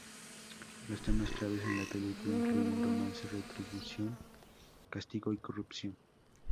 Los temas claves en la película incluyen romance, retribución, castigo y corrupción.